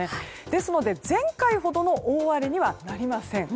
ですので、前回ほどの大荒れにはなりません。